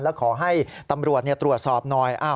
แล้วขอให้ตำรวจตรวจสอบหน่อย